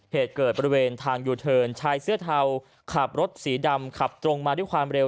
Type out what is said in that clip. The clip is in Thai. เหตุเกิดบริเวณทางยูเทิร์นชายเสื้อเทาขับรถสีดำขับตรงมาด้วยความเร็ว